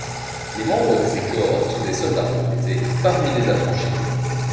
Les membres de ces cohortes sont des soldats recrutés parmi les affranchis.